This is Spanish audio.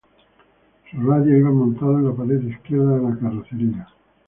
Sus radios iban montados en la pared izquierda de la carrocería.